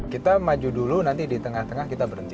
kita maju dulu nanti di tengah tengah kita berhenti